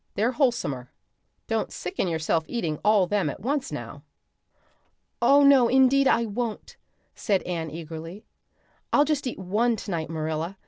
They're wholesomer. Don't sicken yourself eating all them at once now." "Oh, no, indeed, I won't," said Anne eagerly. "I'll just eat one tonight, Marilla.